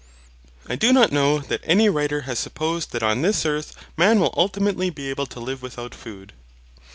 I do not know that any writer has supposed that on this earth man will ultimately be able to live without food.